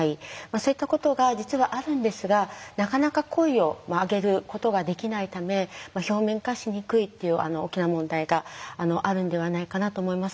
そういったことが実はあるんですがなかなか声を上げることができないため表面化しにくいっていう大きな問題があるんではないかなと思います。